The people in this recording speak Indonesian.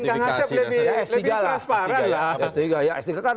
mungkin kang asep lebih transparan